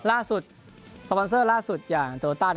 ล่าสุดสปอนเซอร์ล่าสุดอย่างโตโลต้า